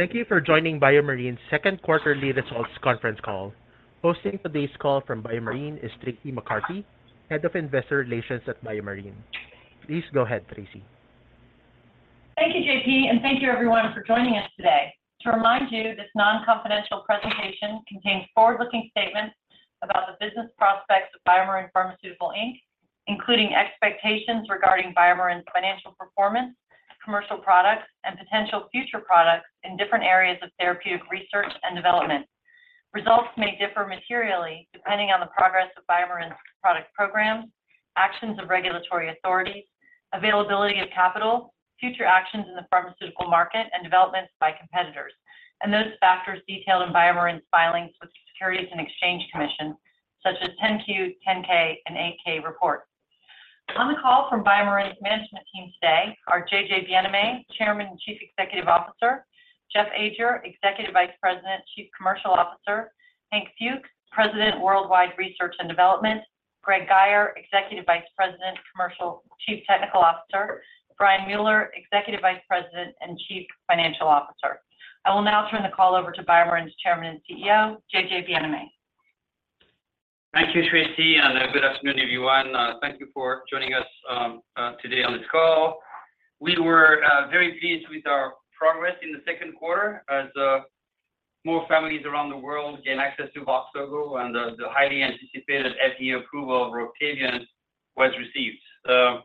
Thank you for joining BioMarin's second quarterly results conference call. Hosting today's call from BioMarin is Traci McCarty, Head of Investor Relations at BioMarin. Please go ahead, Traci. Thank you, J.P., and thank you everyone for joining us today. To remind you, this non-confidential presentation contains forward-looking statements about the business prospects of BioMarin Pharmaceutical Inc., including expectations regarding BioMarin's financial performance, commercial products, and potential future products in different areas of therapeutic research and development. Results may differ materially, depending on the progress of BioMarin's product programs, actions of regulatory authorities, availability of capital, future actions in the pharmaceutical market, and developments by competitors. Those factors detailed in BioMarin's filings with the Securities and Exchange Commission, such as 10-Q, 10-K, and 8-K reports. On the call from BioMarin's management team today are Jean-Jacques Bienaimé, Chairman and Chief Executive Officer; Jeffrey Ajer, Executive Vice President, Chief Commercial Officer; Hank Fuchs, President, Worldwide Research and Development; Greg Guyer, Executive Vice President, Commercial, Chief Technical Officer; Brian Mueller, Executive Vice President and Chief Financial Officer. I will now turn the call over to BioMarin's Chairman and CEO, J.J. Bienaimé. Thank you, Traci, and good afternoon, everyone. Thank you for joining us today on this call. We were very pleased with our progress in the second quarter as more families around the world gain access to VOXZOGO and the highly anticipated FDA approval of Roctavian was received. The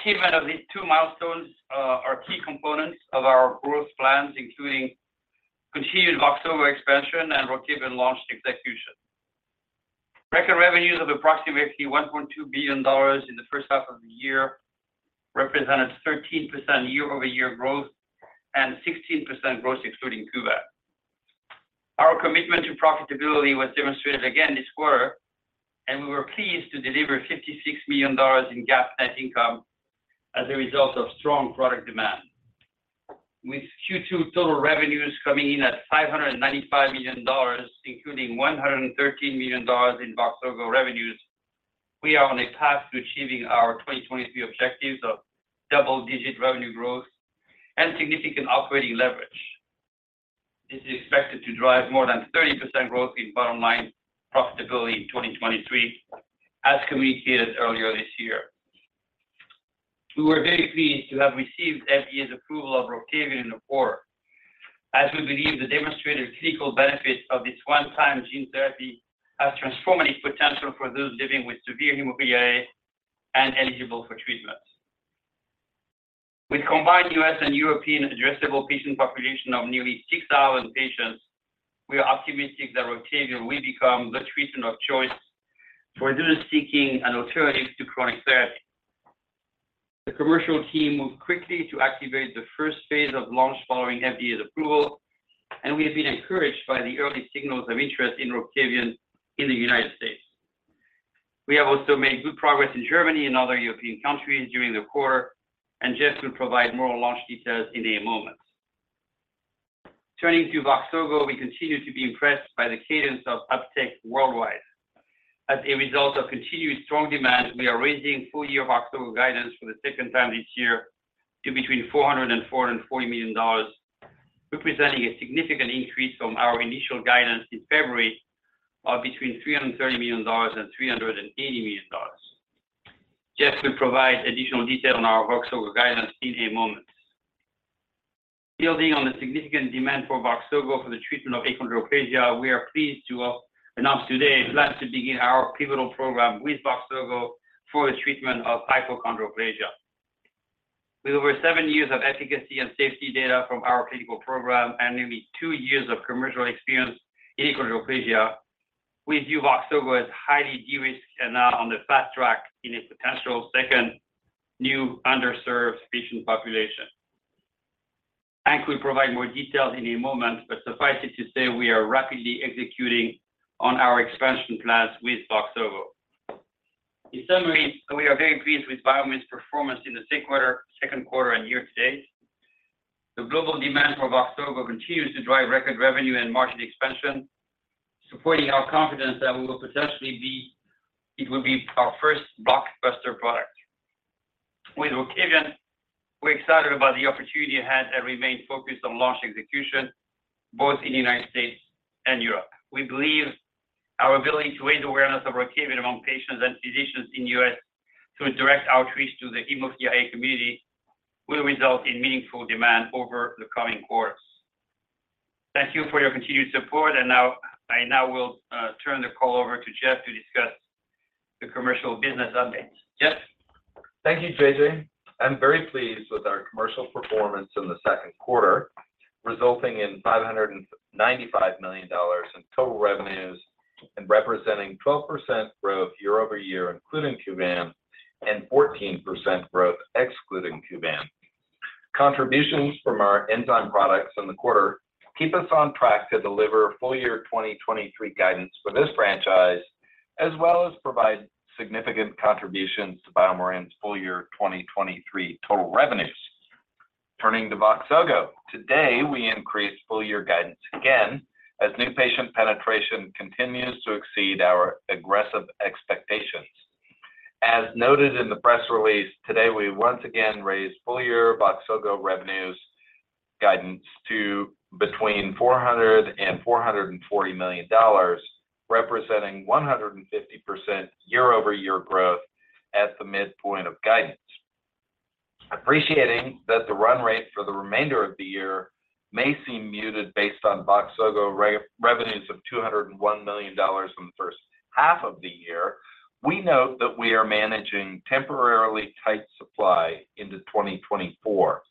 achievement of these two milestones are key components of our growth plans, including continued VOXZOGO expansion and Roctavian launch execution. Record revenues of approximately $1.2 billion in the first half of the year represented 13% year-over-year growth and 16% growth excluding Kuvan. Our commitment to profitability was demonstrated again this quarter. We were pleased to deliver $56 million in GAAP net income as a result of strong product demand. With Q2 total revenues coming in at $595 million, including $113 million in VOXZOGO revenues, we are on a path to achieving our 2023 objectives of double-digit revenue growth and significant operating leverage. This is expected to drive more than 30% growth in bottom line profitability in 2023, as communicated earlier this year. We were very pleased to have received FDA's approval of Roctavian in the quarter, as we believe the demonstrated clinical benefits of this one-time gene therapy has transformative potential for those living with severe hemophilia and eligible for treatment. With combined U.S. and European addressable patient population of nearly 6,000 patients, we are optimistic that Roctavian will become the treatment of choice for those seeking an alternative to chronic therapy. The commercial team moved quickly to activate the first phase of launch following FDA's approval. We have been encouraged by the early signals of interest in Roctavian in the United States. We have also made good progress in Germany and other European countries during the quarter. Jeff will provide more launch details in a moment. Turning to VOXZOGO, we continue to be impressed by the cadence of uptake worldwide. As a result of continued strong demand, we are raising full-year VOXZOGO guidance for the second time this year to between $400 million and $440 million, representing a significant increase from our initial guidance in February of between $330 million and $380 million. Jeff will provide additional detail on our VOXZOGO guidance in a moment. Building on the significant demand for VOXZOGO for the treatment of achondroplasia, we are pleased to announce today plans to begin our pivotal program with VOXZOGO for the treatment of hypochondroplasia. With over seven years of efficacy and safety data from our clinical program and nearly two years of commercial experience in achondroplasia, we view VOXZOGO as highly de-risked and now on the fast track in a potential second new underserved patient population. Hank will provide more details in a moment. Suffice it to say, we are rapidly executing on our expansion plans with VOXZOGO. In summary, we are very pleased with BioMarin's performance in the second quarter, second quarter and year to date. The global demand for VOXZOGO continues to drive record revenue and margin expansion, supporting our confidence that we will potentially it will be our first blockbuster product. With Roctavian, we're excited about the opportunity at hand and remain focused on launch execution, both in the United States and Europe. We believe our ability to raise awareness of Roctavian among patients and physicians in U.S. through a direct outreach to the hemophilia community will result in meaningful demand over the coming quarters. Thank you for your continued support, now, I now will turn the call over to Jeff to discuss the commercial business updates. Jeff? Thank you, JJ. I'm very pleased with our commercial performance in the second quarter, resulting in $595 million in total revenues and representing 12% growth year-over-year, including Kuvan, and 14% growth excluding Kuvan. Contributions from our enzyme products in the quarter keep us on track to deliver full year 2023 guidance for this franchise, as well as provide significant contributions to BioMarin's full year 2023 total revenues. Turning to VOXZOGO, today, we increased full year guidance again, as new patient penetration continues to exceed our aggressive expectations. As noted in the press release, today, we once again raised full year VOXZOGO revenues guidance to between $400 million and $440 million, representing 150% year-over-year growth at the midpoint of guidance. Appreciating that the run rate for the remainder of the year may seem muted based on VOXZOGO revenues of $201 million in the first half of the year, we note that we are managing temporarily tight supply into 2024.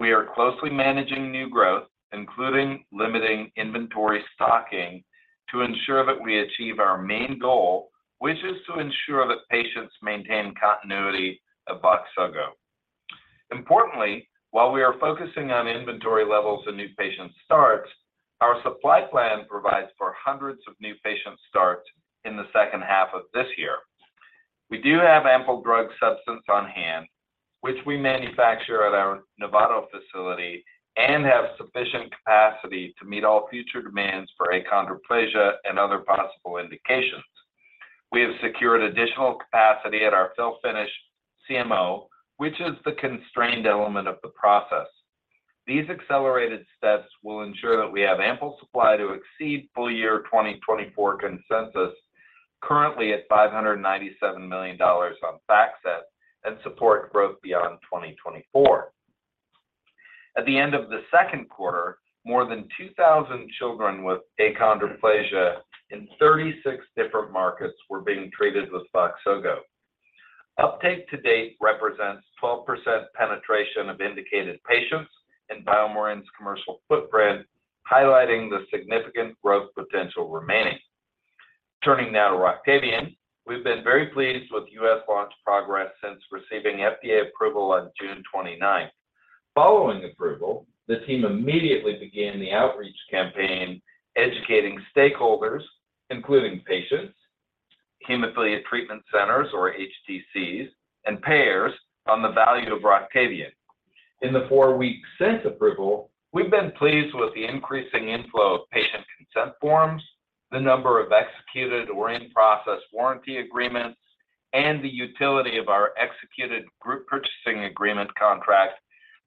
We are closely managing new growth, including limiting inventory stocking, to ensure that we achieve our main goal, which is to ensure that patients maintain continuity of VOXZOGO. Importantly, while we are focusing on inventory levels and new patient starts, our supply plan provides for hundreds of new patient starts in the second half of this year. We do have ample drug substance on hand, which we manufacture at our Novato facility and have sufficient capacity to meet all future demands for achondroplasia and other possible indications. We have secured additional capacity at our fill-finish CMO, which is the constrained element of the process. These accelerated steps will ensure that we have ample supply to exceed full year 2024 consensus, currently at $597 million on FactSet and support growth beyond 2024. At the end of the second quarter, more than 2,000 children with achondroplasia in 36 different markets were being treated with VOXZOGO. Uptake to date represents 12% penetration of indicated patients in BioMarin's commercial footprint, highlighting the significant growth potential remaining. Turning now to Roctavian. We've been very pleased with U.S. launch progress since receiving FDA approval on June 29th. Following approval, the team immediately began the outreach campaign, educating stakeholders, including patients, Hemophilia Treatment Centers or HTCs, and payers on the value of Roctavian. In the four weeks since approval, we've been pleased with the increasing inflow of patient consent forms, the number of executed or in-process warranty agreements, and the utility of our executed group purchasing agreement contract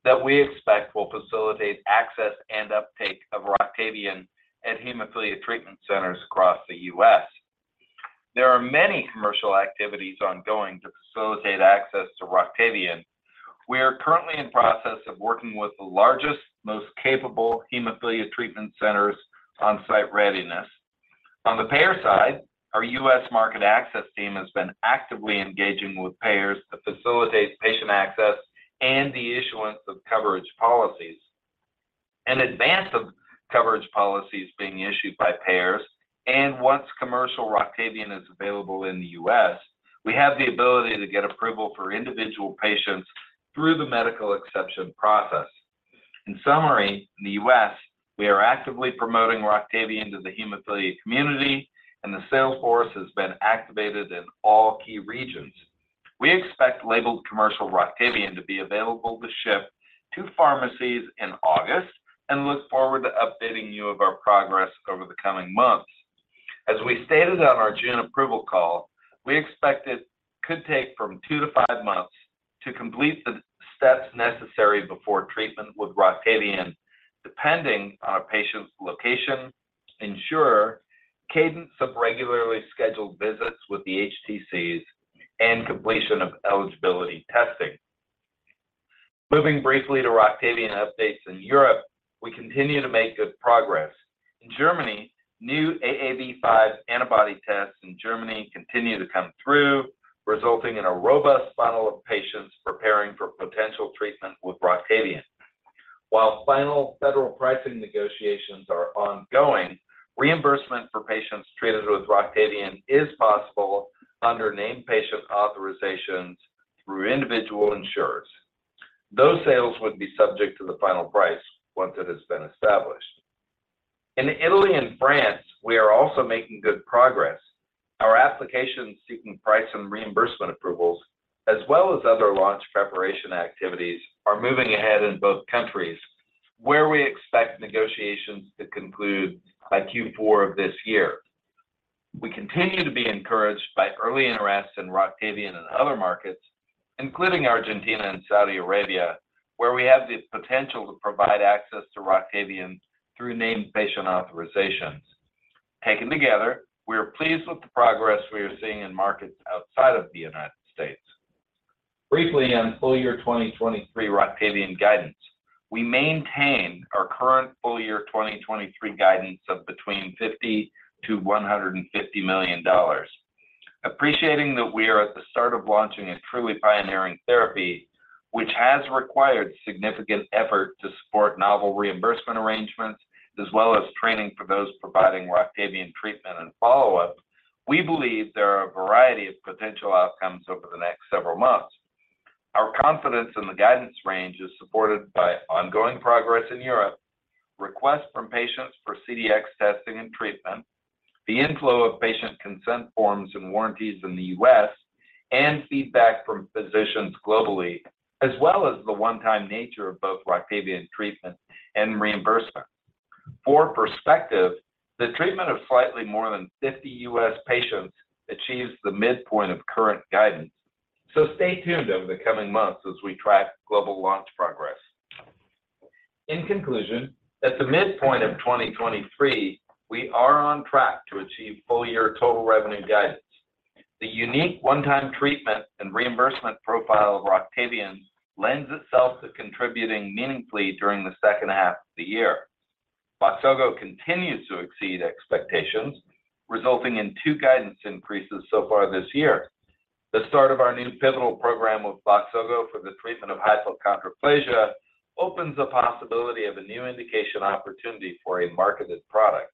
that we expect will facilitate access and uptake of Roctavian at Hemophilia Treatment Centers across the U.S. There are many commercial activities ongoing to facilitate access to Roctavian. We are currently in process of working with the largest, most capable Hemophilia Treatment Centers on-site readiness. On the payer side, our U.S. market access team has been actively engaging with payers to facilitate patient access and the issuance of coverage policies. In advance of coverage policies being issued by payers and once commercial Roctavian is available in the U.S., we have the ability to get approval for individual patients through the medical exception process. In summary, in the U.S., we are actively promoting Roctavian to the hemophilia community, and the sales force has been activated in all key regions. We expect labeled commercial Roctavian to be available to ship to pharmacies in August and look forward to updating you of our progress over the coming months. As we stated on our June approval call, we expect it could take from two to five months to complete the steps necessary before treatment with Roctavian, depending on a patient's location, insurer, cadence of regularly scheduled visits with the HTCs, and completion of eligibility testing. Moving briefly to Roctavian updates in Europe, we continue to make good progress. In Germany, new AAV5 antibody tests in Germany continue to come through, resulting in a robust funnel of patients preparing for potential treatment with Roctavian. While final federal pricing negotiations are ongoing, reimbursement for patients treated with Roctavian is possible under named patient authorizations through individual insurers. Those sales would be subject to the final price once it has been established. In Italy and France, we are also making good progress. Our applications seeking price and reimbursement approvals, as well as other launch preparation activities, are moving ahead in both countries, where we expect negotiations to conclude by Q4 of this year. We continue to be encouraged by early interest in Roctavian in other markets, including Argentina and Saudi Arabia, where we have the potential to provide access to Roctavian through named patient authorizations. Taken together, we are pleased with the progress we are seeing in markets outside of the United States. Briefly, on full year 2023 Roctavian guidance, we maintain our current full year 2023 guidance of between $50 million-$150 million. Appreciating that we are at the start of launching a truly pioneering therapy, which has required significant effort to support novel reimbursement arrangements, as well as training for those providing Roctavian treatment and follow-up, we believe there are a variety of potential outcomes over the next several months. Our confidence in the guidance range is supported by ongoing progress in Europe, requests from patients for CDx testing and treatment, the inflow of patient consent forms and warranties in the U.S., and feedback from physicians globally, as well as the one-time nature of both Roctavian treatment and reimbursement. For perspective, the treatment of slightly more than 50 U.S. patients achieves the midpoint of current guidance. Stay tuned over the coming months as we track global launch progress. In conclusion, at the midpoint of 2023, we are on track to achieve full-year total revenue guidance. The unique one-time treatment and reimbursement profile of Roctavian lends itself to contributing meaningfully during the second half of the year. VOXZOGO continues to exceed expectations, resulting in 2 guidance increases so far this year. The start of our new pivotal program with VOXZOGO for the treatment of hypochondroplasia opens the possibility of a new indication opportunity for a marketed product.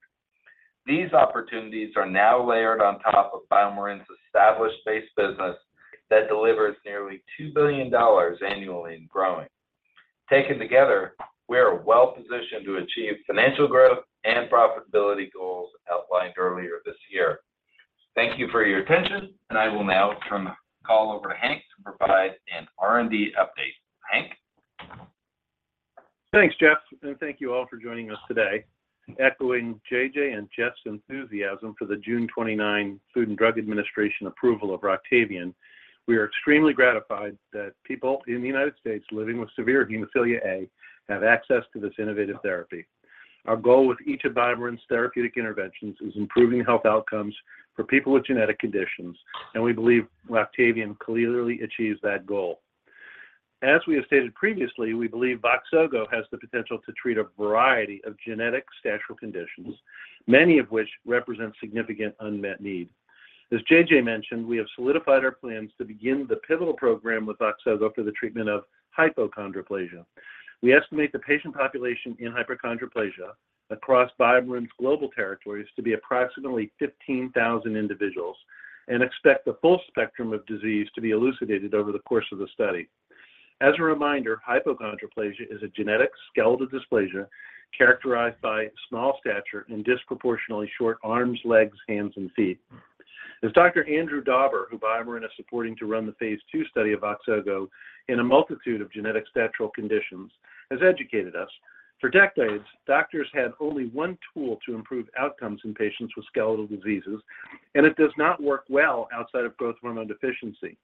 These opportunities are now layered on top of BioMarin's established base business that delivers nearly $2 billion annually and growing. Taken together, we are well positioned to achieve financial growth and profitability goals outlined earlier this year. Thank you for your attention, and I will now turn the call over to Hank to provide an R&D update. Hank? Thanks, Jeffrey Ajer, thank you all for joining us today. Echoing Jean-Jacques Bienaimé and Jeffrey Ajer's enthusiasm for the June 29 Food and Drug Administration approval of Roctavian, we are extremely gratified that people in the United States living with severe hemophilia A have access to this innovative therapy. Our goal with each of BioMarin's therapeutic interventions is improving health outcomes for people with genetic conditions, and we believe Roctavian clearly achieves that goal. As we have stated previously, we believe VOXZOGO has the potential to treat a variety of genetic stature conditions, many of which represent significant unmet need. As Jean-Jacques Bienaimé mentioned, we have solidified our plans to begin the pivotal program with VOXZOGO for the treatment of hypochondroplasia. We estimate the patient population in hypochondroplasia across BioMarin's global territories to be approximately 15,000 individuals and expect the full spectrum of disease to be elucidated over the course of the study. As a reminder, hypochondroplasia is a genetic skeletal dysplasia characterized by small stature and disproportionately short arms, legs, hands and feet. As Dr. Andrew Dauber, who BioMarin is supporting to run the phase II study of VOXZOGO in a multitude of genetic stature conditions, has educated us, for decades, doctors had only one tool to improve outcomes in patients with skeletal diseases, and it does not work well outside of growth hormone deficiency.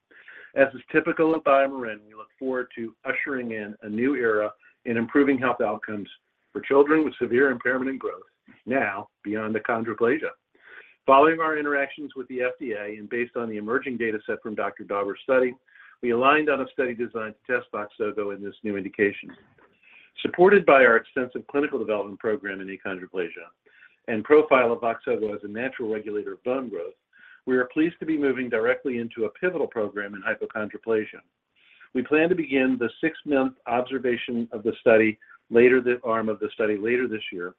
As is typical of BioMarin, we look forward to ushering in a new era in improving health outcomes for children with severe impairment and growth now beyond achondroplasia. Following our interactions with the FDA and based on the emerging data set from Dr. Dauber's study, we aligned on a study design to test VOXZOGO in this new indication. Supported by our extensive clinical development program in achondroplasia and profile of VOXZOGO as a natural regulator of bone growth, we are pleased to be moving directly into a pivotal program in hypochondroplasia. We plan to begin the six-month observation of the arm of the study later this year,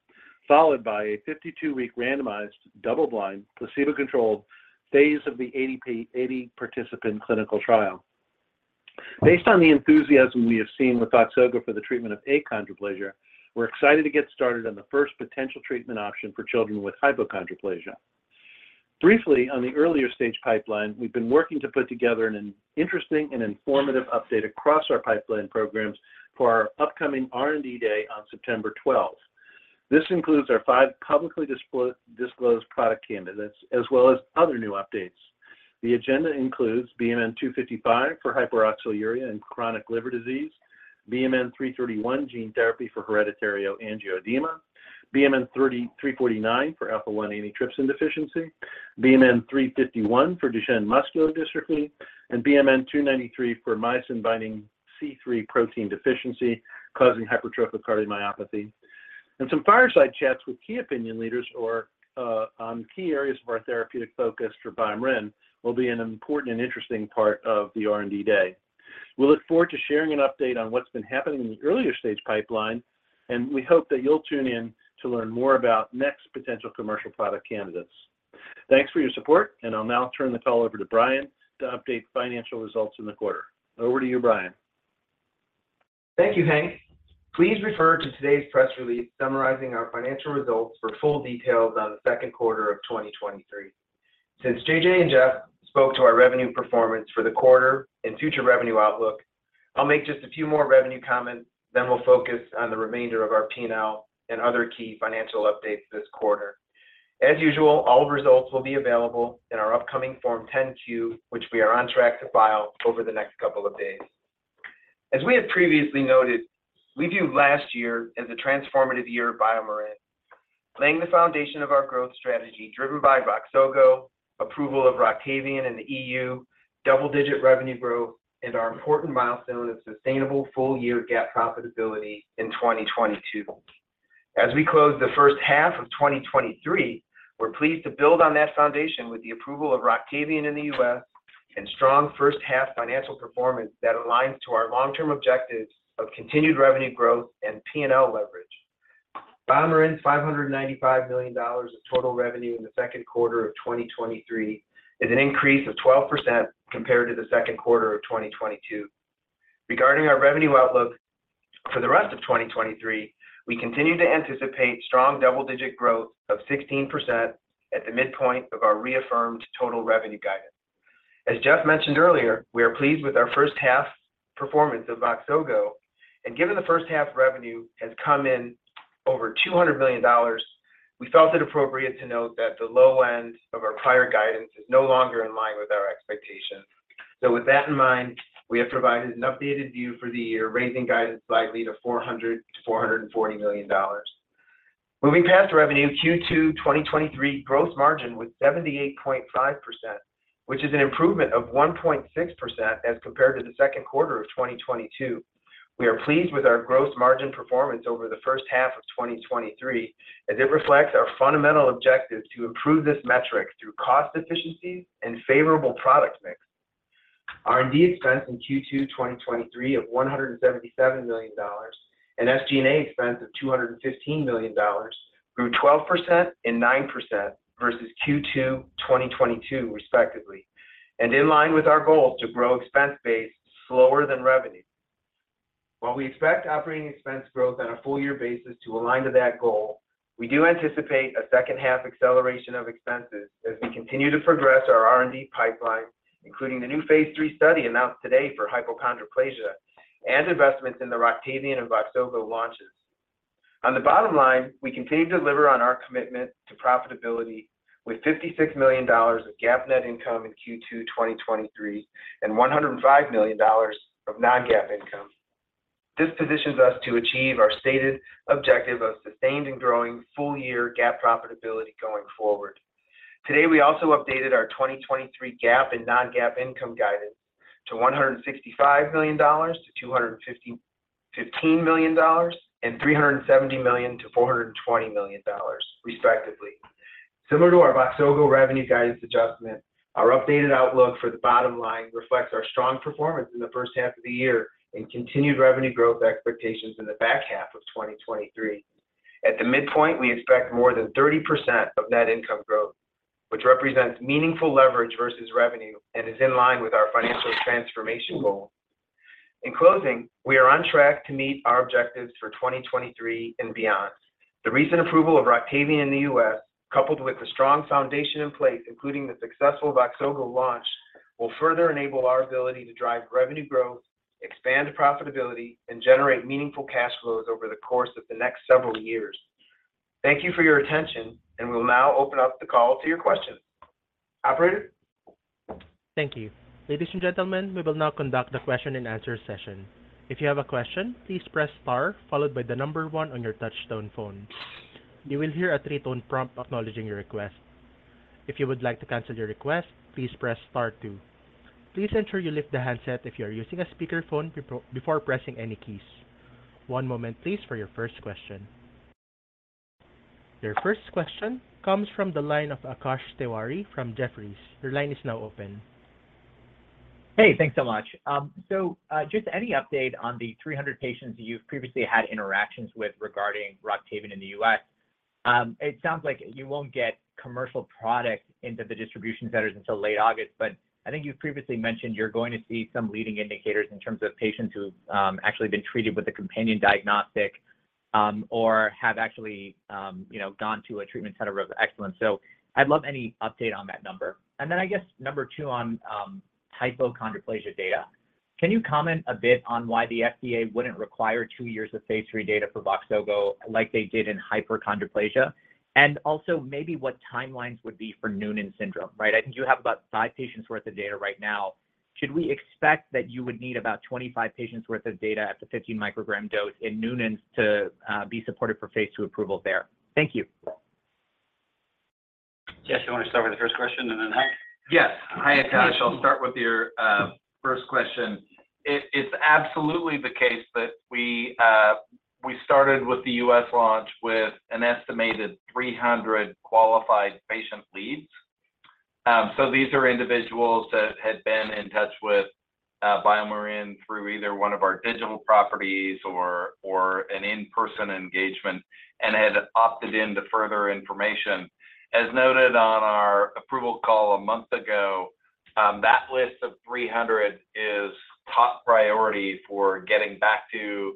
followed by a 52-week randomized, double-blind, placebo-controlled phase of the 80 participant clinical trial. Based on the enthusiasm we have seen with VOXZOGO for the treatment of achondroplasia, we're excited to get started on the first potential treatment option for children with hypochondroplasia. Briefly, on the earlier stage pipeline, we've been working to put together an interesting and informative update across our pipeline programs for our upcoming R&D Day on September 12th. This includes our five publicly disclosed product candidates as well as other new updates. The agenda includes BMN-255 for hyperoxaluria and chronic liver disease, BMN-331, gene therapy for hereditary angioedema, BMN-349 for alpha-1 antitrypsin deficiency, BMN-351 for Duchenne muscular dystrophy, and BMN-293 for myosin-binding protein C3 deficiency, causing hypertrophic cardiomyopathy. Some fireside chats with key opinion leaders or on key areas of our therapeutic focus for BioMarin will be an important and interesting part of the R&D Day. We look forward to sharing an update on what's been happening in the earlier stage pipeline, and we hope that you'll tune in to learn more about next potential commercial product candidates. Thanks for your support, and I'll now turn the call over to Brian to update financial results in the quarter. Over to you, Brian. Thank you, Hank. Please refer to today's press release summarizing our financial results for full details on the second quarter of 2023. Since JJ and Jeff spoke to our revenue performance for the quarter and future revenue outlook, I'll make just a few more revenue comments, then we'll focus on the remainder of our P&L and other key financial updates this quarter. As usual, all results will be available in our upcoming Form 10-Q, which we are on track to file over the next couple of days. As we have previously noted, we view last year as a transformative year at BioMarin, laying the foundation of our growth strategy driven by VOXZOGO, approval of Roctavian in the EU, double-digit revenue growth, and our important milestone of sustainable full-year GAAP profitability in 2022. As we close the first half of 2023, we're pleased to build on that foundation with the approval of Roctavian in the U.S. and strong first-half financial performance that aligns to our long-term objectives of continued revenue growth and P&L leverage. BioMarin's $595 million of total revenue in the second quarter of 2023 is an increase of 12% compared to the second quarter of 2022. Regarding our revenue outlook for the rest of 2023, we continue to anticipate strong double-digit growth of 16% at the midpoint of our reaffirmed total revenue guidance. As Jeff mentioned earlier, we are pleased with our first half performance of VOXZOGO, given the first half revenue has come in over $200 million, we felt it appropriate to note that the low end of our prior guidance is no longer in line with our expectations. With that in mind, we have provided an updated view for the year, raising guidance slightly to $400 million-$440 million. Moving past revenue, Q2 2023 gross margin was 78.5%, which is an improvement of 1.6% as compared to the second quarter of 2022. We are pleased with our gross margin performance over the first half of 2023, as it reflects our fundamental objective to improve this metric through cost efficiencies and favorable product mix. R&D expense in Q2 2023 of $177 million and SG&A expense of $215 million grew 12% and 9% versus Q2 2022, respectively, and in line with our goal to grow expense base slower than revenue. While we expect operating expense growth on a full year basis to align to that goal, we do anticipate a second-half acceleration of expenses as we continue to progress our R&D pipeline, including the new phase III study announced today for hypochondroplasia and investments in the Roctavian and VOXZOGO launches. On the bottom line, we continue to deliver on our commitment to profitability with $56 million of GAAP net income in Q2 2023 and $105 million of non-GAAP income. This positions us to achieve our stated objective of sustained and growing full-year GAAP profitability going forward. Today, we also updated our 2023 GAAP and non-GAAP income guidance to $165 million to $215 million, and $370 million to $420 million, respectively. Similar to our VOXZOGO revenue guidance adjustment, our updated outlook for the bottom line reflects our strong performance in the first half of the year and continued revenue growth expectations in the back half of 2023. At the midpoint, we expect more than 30% of net income growth, which represents meaningful leverage versus revenue and is in line with our financial transformation goal. In closing, we are on track to meet our objectives for 2023 and beyond. The recent approval of Roctavian in the US, coupled with the strong foundation in place, including the successful VOXZOGO launch, will further enable our ability to drive revenue growth, expand profitability, and generate meaningful cash flows over the course of the next several years. Thank you for your attention, and we'll now open up the call to your questions. Operator? Thank you. Ladies and gentlemen, we will now conduct the question and answer session. If you have a question, please press star followed by one on your touch-tone phone. You will hear a three-tone prompt acknowledging your request. If you would like to cancel your request, please press star two. Please ensure you lift the handset if you are using a speakerphone before pressing any keys. One moment, please, for your first question. Your first question comes from the line of Akash Tewari from Jefferies. Your line is now open. Hey, thanks so much. Just any update on the 300 patients you've previously had interactions with regarding Roctavian in the U.S.? It sounds like you won't get commercial product into the distribution centers until late August, but I think you've previously mentioned you're going to see some leading indicators in terms of patients who've actually been treated with a companion diagnostic, or have actually, you know, gone to a treatment center of excellence. I'd love any update on that number. I guess, number 2 on hypochondroplasia data. Can you comment a bit on why the FDA wouldn't require two years of Phase III data for VOXZOGO like they did in hypochondroplasia? Maybe what timelines would be for Noonan syndrome, right? I think you have about five patients worth of data right now. Should we expect that you would need about 25 patients worth of data at the 15 microgram dose in Noonan syndrome to be supported for phase II approval there? Thank you. Jeff, you want to start with the first question and then Hank? Yes. Hi, Akash. I'll start with your first question. It's absolutely the case that we started with the U.S. launch with an estimated 300 qualified patient leads. So these are individuals that had been in touch with BioMarin through either one of our digital properties or an in-person engagement and had opted in to further information. As noted on our approval call a month ago, that list of 300 is top priority for getting back to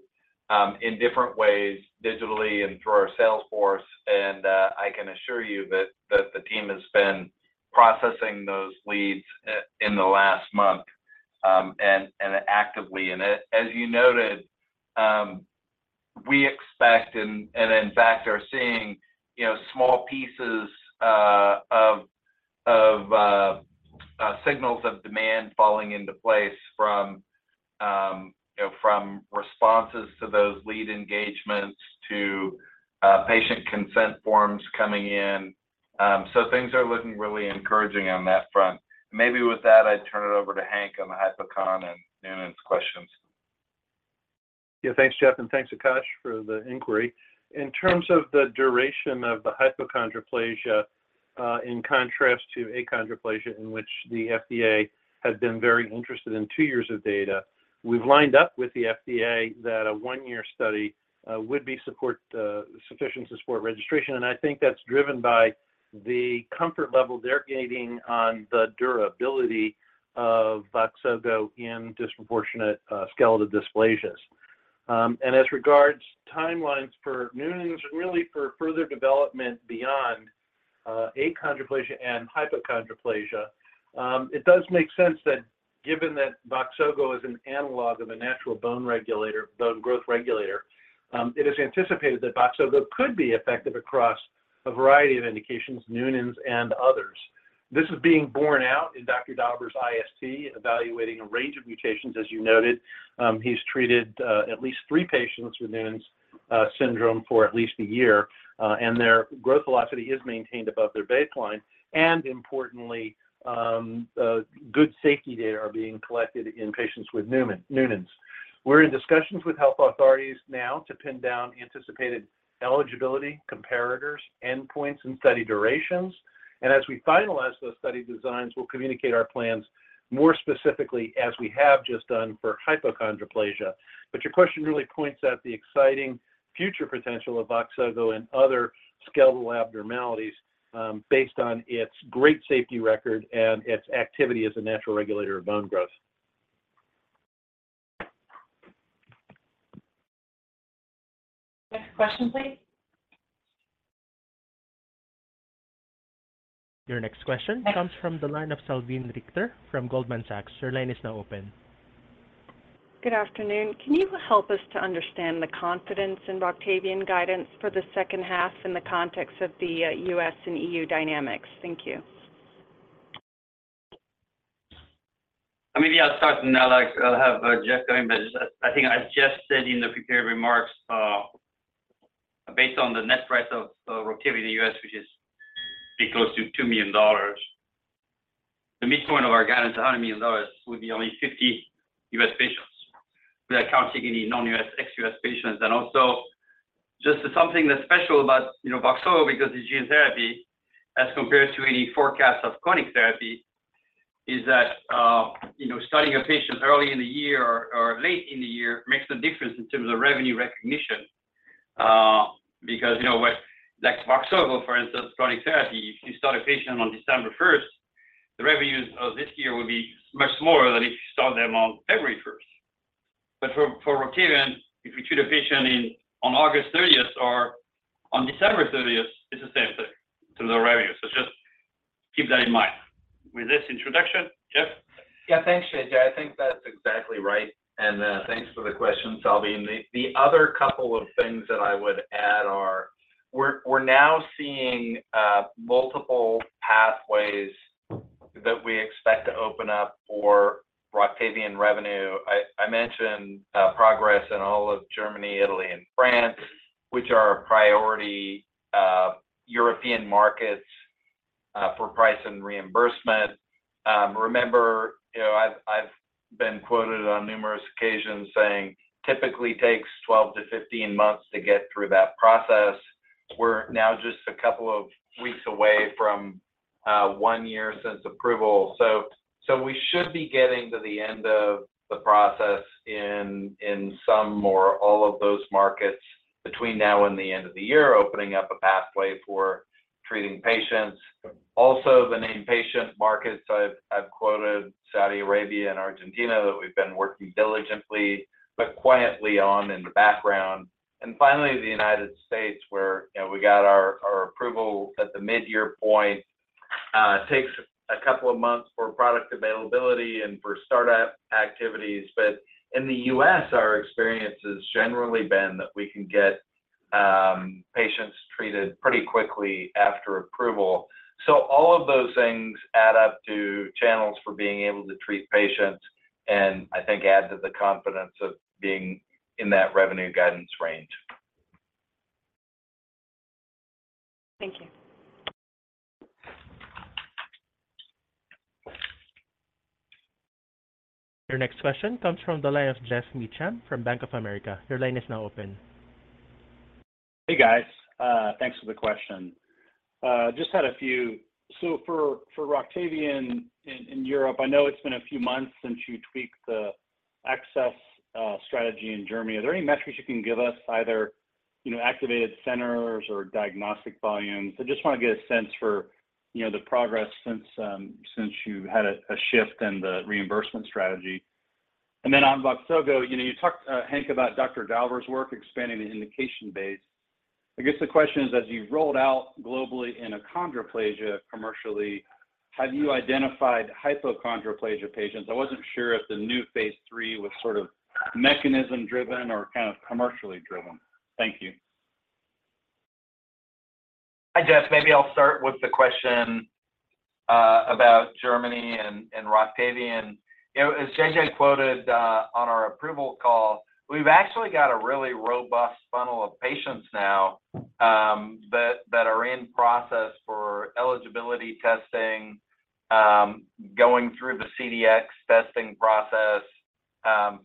in different ways, digitally and through our sales force. I can assure you that the team has been processing those leads in the last month and actively. As you noted, we expect and, in fact, are seeing, you know, small pieces of signals of demand falling into place from, you know, from responses to those lead engagements to patient consent forms coming in. Things are looking really encouraging on that front. Maybe with that, I'd turn it over to Hank on the hypochondroplasia and Noonan syndrome questions. Yeah. Thanks, Jeff, and thanks, Akash, for the inquiry. In terms of the duration of the hypochondroplasia, in contrast to achondroplasia, in which the FDA has been very interested in two years of data, we've lined up with the FDA that a one-year study would be sufficient to support registration. I think that's driven by the comfort level they're gaining on the durability of VOXZOGO in disproportionate skeletal dysplasias. As regards timelines for Noonan syndrome, really for further development beyond achondroplasia and hypochondroplasia, it does make sense that given that VOXZOGO is an analog of a natural bone regulator, bone growth regulator, it is anticipated that VOXZOGO could be effective across a variety of indications, Noonan syndrome and others. This is being borne out in Andrew Dauber, evaluating a range of mutations as you noted. He's treated at least three patients with Noonan syndrome for at least a year, and their growth velocity is maintained above their baseline, and importantly, good safety data are being collected in patients with Noonan syndrome. We're in discussions with health authorities now to pin down anticipated eligibility, comparators, endpoints, and study durations, and as we finalize those study designs, we'll communicate our plans more specifically, as we have just done for hypochondroplasia. Your question really points at the exciting future potential of VOXZOGO and other skeletal abnormalities, based on its great safety record and its activity as a natural regulator of bone growth. Next question, please. Your next question comes from the line of Salveen Richter from Goldman Sachs. Your line is now open. Good afternoon. Can you help us to understand the confidence in Roctavian guidance for the second half in the context of the U.S. and EU dynamics? Thank you. Maybe I'll start, then I'll have Jeff join. I just, I think, as Jeff said in the prepared remarks, based on the net price of Roctavian in the U.S., which is pretty close to $2 million, the midpoint of our guidance, $100 million, would be only 50 U.S. patients. Without counting any non-U.S., ex-U.S. patients, also just something that's special about, you know, VOXZOGO because it's gene therapy, as compared to any forecast of chronic therapy, is that, you know, starting a patient early in the year or late in the year makes a difference in terms of revenue recognition. Because, you know, with like VOXZOGO, for instance, chronic therapy, if you start a patient on December 1st, the revenues of this year will be much lower than if you start them on February 1st. For Roctavian, if we treat a patient in, on August thirtieth or on December thirtieth, it's the same thing to the revenue. Just keep that in mind. With this introduction, Jeff? Yeah, thanks, JJ. I think that's exactly right, and thanks for the question, Salveen. The other couple of things that I would add are we're, we're now seeing multiple pathways that we expect to open up for Roctavian revenue. I mentioned progress in all of Germany, Italy, and France, which are our priority European markets for price and reimbursement. Remember, you know, I've, I've been quoted on numerous occasions saying, "Typically takes 12-15 months to get through that process." We're now just a couple of weeks away from one year since approval. So we should be getting to the end of the process in some or all of those markets between now and the end of the year, opening up a pathway for treating patients. The inpatient markets, I've, I've quoted Saudi Arabia and Argentina that we've been working diligently but quietly on in the background. Finally, the United States, where, you know, we got our, our approval at the mid-year point. It takes a couple of months for product availability and for startup activities, but in the US, our experience has generally been that we can get patients treated pretty quickly after approval. All of those things add up to channels for being able to treat patients, and I think add to the confidence of being in that revenue guidance range. Thank you. Your next question comes from the line of Geoffrey Meacham from Bank of America. Your line is now open. Hey, guys. Thanks for the question. Just had a few. For Roctavian in Europe, I know it's been a few months since you tweaked the access strategy in Germany. Are there any metrics you can give us, either, you know, activated centers or diagnostic volumes? I just want to get a sense for, you know, the progress since you've had a shift in the reimbursement strategy. On VOXZOGO, you know, you talked, Hank, about Andrew Dauber work expanding the indication base. I guess the question is, as you've rolled out globally in achondroplasia commercially, have you identified hypochondroplasia patients? I wasn't sure if the new Phase III was sort of mechanism-driven or kind of commercially driven. Thank you. Hi, Geoff. Maybe I'll start with the question about Germany and Roctavian. You know, as JJ quoted on our approval call, we've actually got a really robust funnel of patients now that are in process for eligibility testing, going through the CDx testing process,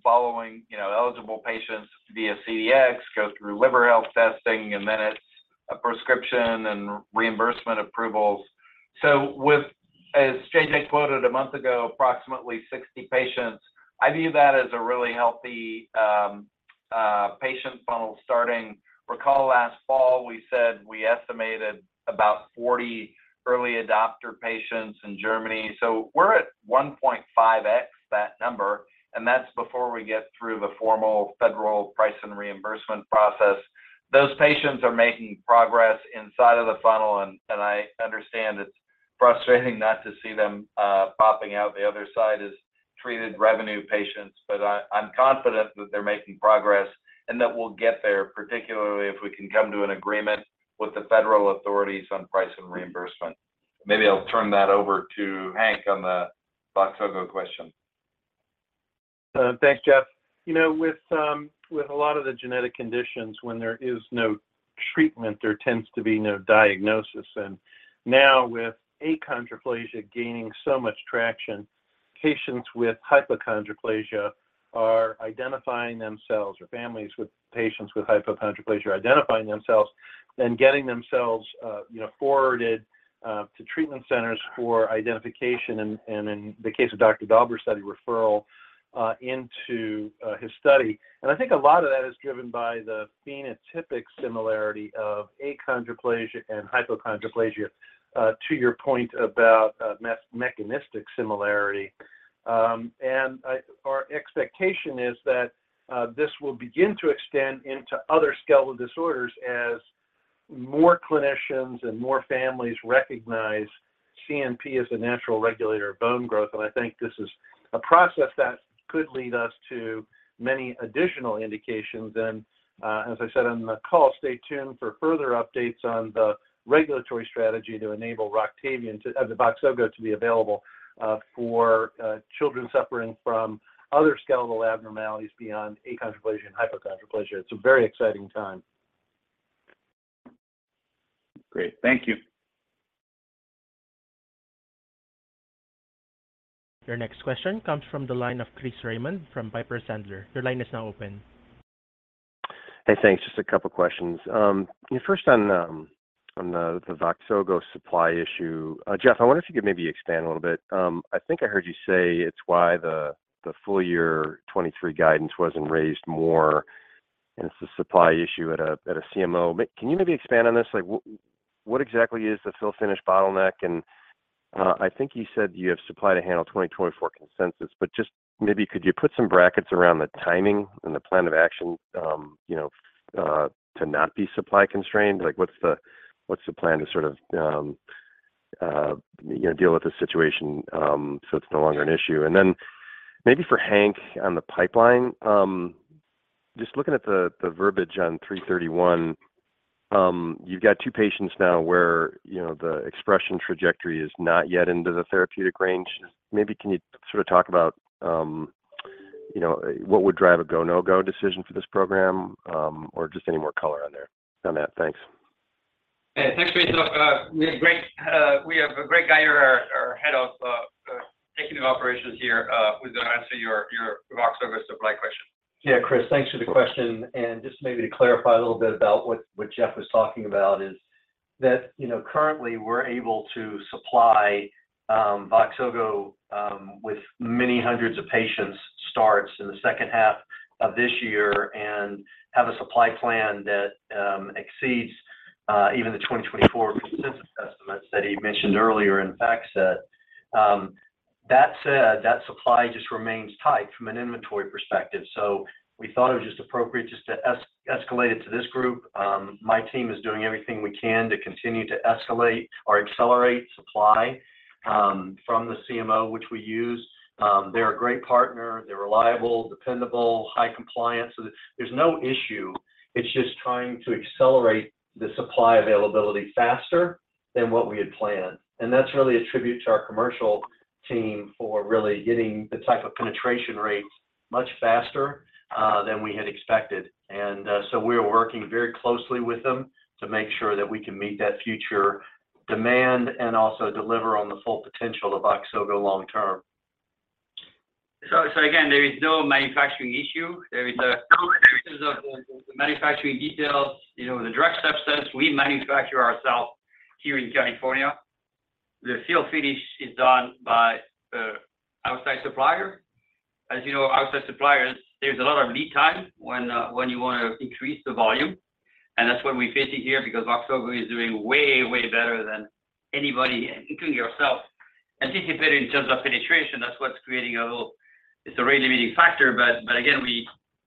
following, you know, eligible patients via CDx, goes through liver health testing, and then it's a prescription and reimbursement approvals. With as JJ quoted a month ago, approximately 60 patients, I view that as a really healthy patient funnel starting. Recall last fall, we said we estimated about 40 early adopter patients in Germany. We're at 1.5x that number, and that's before we get through the formal federal price and reimbursement process. Those patients are making progress inside of the funnel, and I understand it's frustrating not to see them popping out. The other side is treated revenue patients, but I'm confident that they're making progress and that we'll get there, particularly if we can come to an agreement with the federal authorities on price and reimbursement. Maybe I'll turn that over to Hank on the VOXZOGO question. Thanks, Jeff. You know, with a lot of the genetic conditions, when there is no treatment, there tends to be no diagnosis. Now, with achondroplasia gaining so much traction, patients with hypochondroplasia are identifying themselves, or families with patients with hypochondroplasia are identifying themselves and getting themselves, you know, forwarded to treatment centers for identification, and in the case of Dr. Dauber, referral into his study. I think a lot of that is driven by the phenotypic similarity of achondroplasia and hypochondroplasia to your point about mechanistic similarity. Our expectation is that this will begin to extend into other skeletal disorders as more clinicians and more families recognize CNP as a natural regulator of bone growth. I think this is a process that could lead us to many additional indications. As I said on the call, stay tuned for further updates on the regulatory strategy to enable Roctavian to- the VOXZOGO to be available for children suffering from other skeletal abnormalities beyond achondroplasia and hypochondroplasia. It's a very exciting time. Great. Thank you. Your next question comes from the line of Chris Raymond from Piper Sandler. Your line is now open. Hey, thanks. Just a couple questions. First on, on the VOXZOGO supply issue. Jeff, I wonder if you could maybe expand a little bit. I think I heard you say it's why the full year 23 guidance wasn't raised more, and it's a supply issue at a CMO. But can you maybe expand on this? Like, what exactly is the fill-finish bottleneck? And I think you said you have supply to handle 2024 consensus, but just maybe could you put some brackets around the timing and the plan of action, you know, to not be supply constrained? Like, what's the plan to sort of, you know, deal with this situation, so it's no longer an issue? Then maybe for Hank Fuchs, on the pipeline, just looking at the, the verbiage on BMN-331, you've got 2 patients now where, you know, the expression trajectory is not yet into the therapeutic range. Maybe can you sort of talk about, you know, what would drive a go, no-go decision for this program, or just any more color on there on that? Thanks. Yeah, thanks, Chris. We have Greg, we have Greg Guyer, our, our head of, taking operations here, who's gonna answer your, your VOXZOGO supply question. Yeah, Chris, thanks for the question. Just maybe to clarify a little bit about what, what Jeff was talking about is that, you know, currently we're able to supply VOXZOGO with many hundreds of patients' starts in the second half of this year and have a supply plan that exceeds even the 2024 consensus estimates that he mentioned earlier in the FactSet. That said, that supply just remains tight from an inventory perspective, so we thought it was just appropriate just to escalate it to this group. My team is doing everything we can to continue to escalate or accelerate supply from the CMO, which we use. They're a great partner. They're reliable, dependable, high compliance. There's no issue. It's just trying to accelerate the supply availability faster than what we had planned. That's really a tribute to our commercial team for really getting the type of penetration rates much faster than we had expected. So we are working very closely with them to make sure that we can meet that future demand and also deliver on the full potential of VOXZOGO long term. Again, there is no manufacturing issue. There is the manufacturing details, you know, the drug substance, we manufacture ourselves here in California. The fill-finish is done by a outside supplier. As you know, outside suppliers, there's a lot of lead time when you wanna increase the volume, and that's what we face here because VOXZOGO is doing way, way better than anybody, including yourself, anticipate in terms of penetration. That's what's creating a little. It's a really limiting factor. Again, we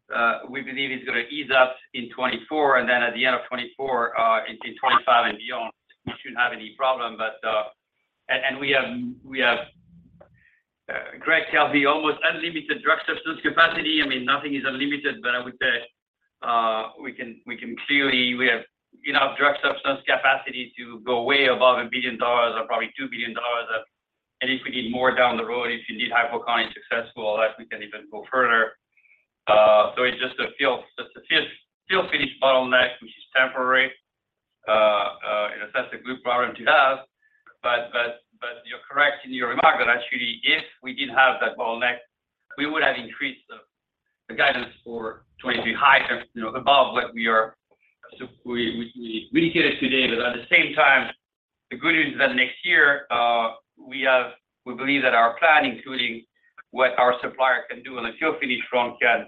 believe it's gonna ease up in 2024, and then at the end of 2024, in 2025 and beyond, we shouldn't have any problem. And we have, we have, Greg tells me almost unlimited drug substance capacity. I mean, nothing is unlimited, but I would say, we can, we can clearly, we have enough drug substance capacity to go way above $1 billion or probably $2 billion. If we need more down the road, if you ne ed hypochondroplasia successful, actually, we can even go further. It's just a fill, just a fill, fill-finish bottleneck, which is temporary, in a sense, a good problem to have. You're correct in your remark that actually, if we didn't have that bottleneck, we would have increased the, the guidance for 2023 higher, you know, above what we are- so we, we, we indicated today. At the same time, the good news is that next year, we have-- we believe that our plan, including. what our supplier can do and the fill-finish can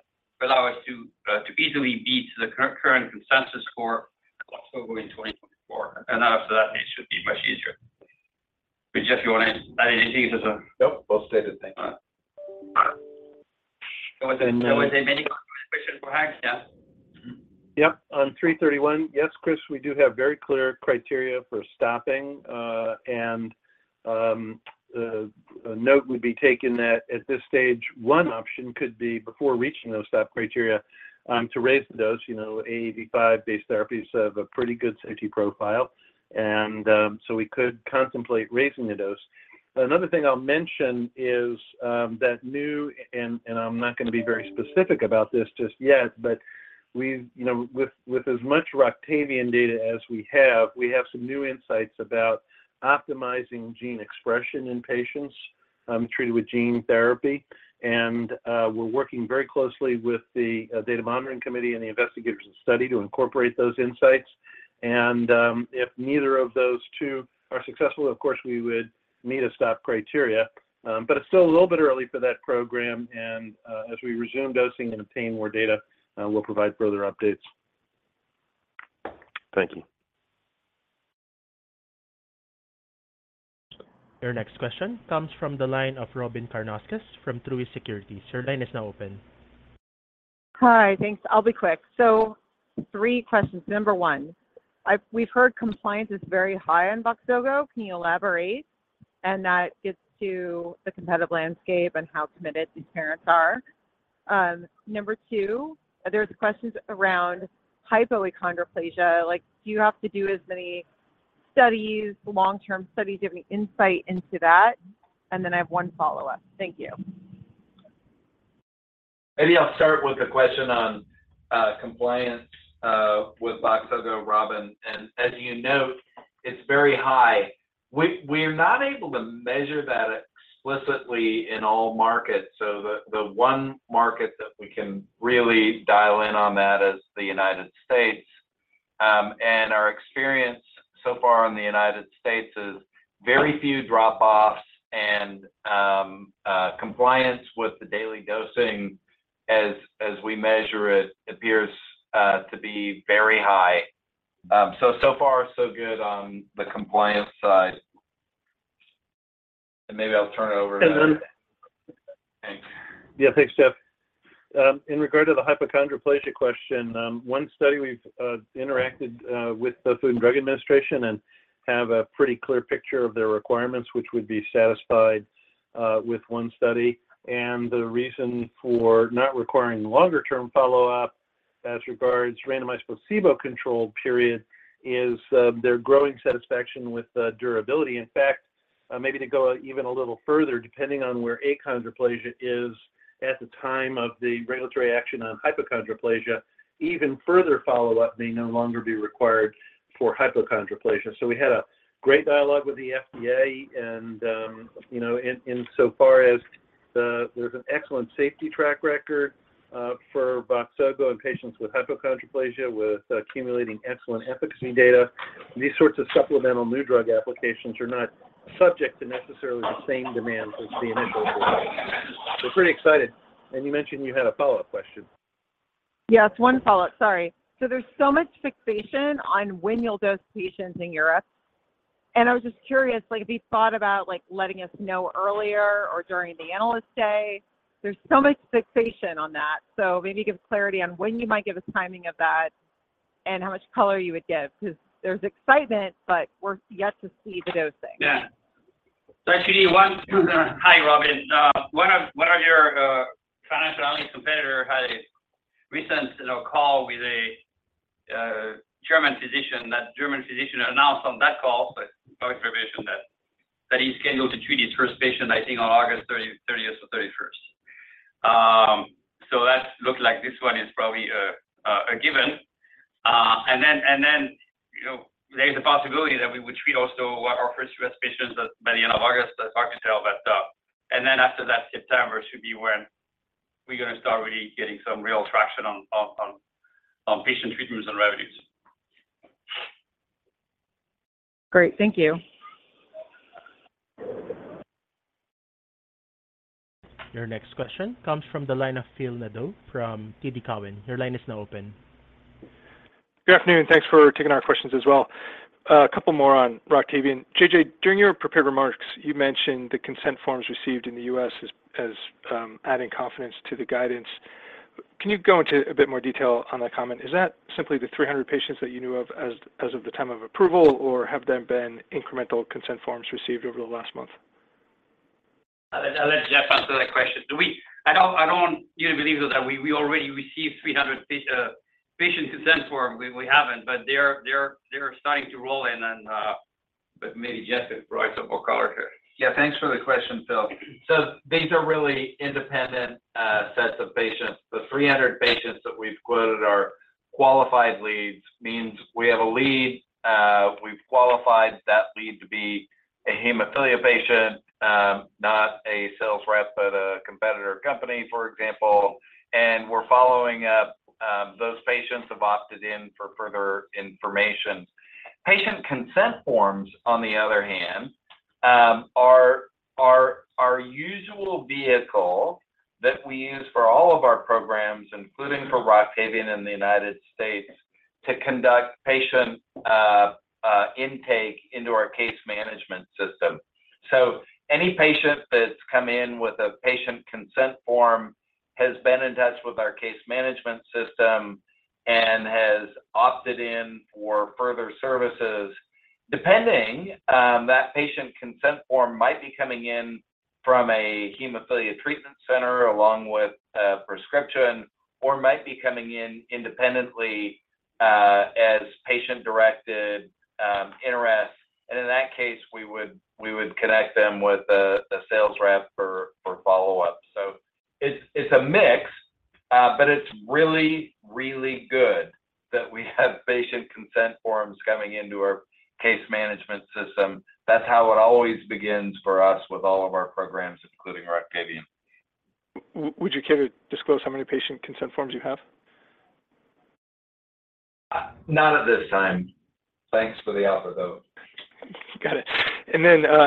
allow us to easily beat the current consensus for Roctavian in 2024, and after that, it should be much easier. Jeff, you want to add anything to the? Nope, well-stated, thank you. All right. There was a many question for Hank, yeah? Yep, on BMN-331. Yes, Chris, we do have very clear criteria for stopping, and a note would be taken that at this stage, one option could be before reaching those stop criteria, to raise the dose, you know, AAV5-based therapies have a pretty good safety profile, so we could contemplate raising the dose. Another thing I'll mention is that I'm not going to be very specific about this just yet, but we've, you know, with as much Roctavian data as we have, we have some new insights about optimizing gene expression in patients treated with gene therapy. We're working very closely with the data monitoring committee and the investigators of the study to incorporate those insights. If neither of those two are successful, of course, we would meet a stop criteria, but it's still a little bit early for that program, and as we resume dosing and obtain more data, we'll provide further updates. Thank you. Your next question comes from the line of Robyn Karnauskas from Truist Securities. Your line is now open. Hi, thanks. I'll be quick. Three questions. Number 1, we've heard compliance is very high on VOXZOGO. Can you elaborate? That gets to the competitive landscape and how committed these parents are. Number 2, there's questions around hypochondroplasia. Like, do you have to do as many studies, long-term studies, giving insight into that? I have 1 follow-up. Thank you. Maybe I'll start with the question on compliance with VOXZOGO, Robin. As you note, it's very high. We, we're not able to measure that explicitly in all markets, so the one market that we can really dial in on that is the United States. Our experience so far in the United States is very few dropoffs and compliance with the daily dosing as we measure it, appears to be very high. So far, so good on the compliance side. Maybe I'll turn it over to- And then- Thanks. Yeah, thanks, Jeff. In regard to the hypochondroplasia question, one study we've interacted with the Food and Drug Administration and have a pretty clear picture of their requirements, which would be satisfied with one study. The reason for not requiring longer-term follow-up as regards randomized placebo-controlled period is their growing satisfaction with the durability. In fact, maybe to go even a little further, depending on where achondroplasia is at the time of the regulatory action on hypochondroplasia, even further follow-up may no longer be required for hypochondroplasia. We had a great dialogue with the FDA and, you know, insofar as there's an excellent safety track record for VOXZOGO in patients with hypochondroplasia, with accumulating excellent efficacy data. These sorts of supplemental new drug application are not subject to necessarily the same demands as the initial. We're pretty excited. You mentioned you had a follow-up question. Yes, one follow-up. Sorry. There's so much fixation on when you'll dose patients in Europe, and I was just curious, like, have you thought about, like, letting us know earlier or during the analyst day? There's so much fixation on that, so maybe give clarity on when you might give us timing of that and how much color you would give, 'cause there's excitement, but we're yet to see the dosing? Yeah. Actually, One. Hi, Robin. One of, one of your financial analyst competitor had a recent, you know, call with a German physician. That German physician announced on that call, but public information that he's scheduled to treat his first patient, I think, on August 30th or 31st. That looked like this one is probably a given. Then, and then, you know, there's a possibility that we would treat also our first U.S. patients by the end of August, as Mark said. Then after that, September should be when we're going to start really getting some real traction on patient treatments and revenues. Great. Thank you. Your next question comes from the line of Philip Nadeau from TD Cowen. Your line is now open. Good afternoon, thanks for taking our questions as well. A couple more on Roctavian. JJ, during your prepared remarks, you mentioned the consent forms received in the U.S. as adding confidence to the guidance. Can you go into a bit more detail on that comment? Is that simply the 300 patients that you knew of as of the time of approval, or have there been incremental consent forms received over the last month? I'll let, I'll let Jeff answer that question. I don't, I don't even believe, though, that we, we already received 300 patient consent form. We, we haven't, but they're, they're, they're starting to roll in and, but maybe Jeff could provide some more color here. Yeah, thanks for the question, Phil. These are really independent sets of patients. The 300 patients that we've quoted are qualified leads, means we have a lead, we've qualified that lead to be a hemophilia patient, not a sales rep at a competitor company, for example, and we're following up. Those patients have opted in for further information. Patient consent forms, on the other hand, are our usual vehicle that we use for all of our programs, including for Roctavian in the United States, to conduct patient intake into our case management system. Any patient that's come in with a patient consent form has been in touch with our case management system and has opted in for further services. Depending, that patient consent form might be coming in from a Hemophilia Treatment Center, along with a prescription, or might be coming in independently, as patient-directed interest. In that case, we would, we would connect them with a, a sales rep for, for follow-up. It's, it's a mix, but it's really, really good that we have patient consent forms coming into our case management system. That's how it always begins for us with all of our programs, including Roctavian. Would you care to disclose how many patient consent forms you have? Not at this time. Thanks for the offer, though. Got it. Then,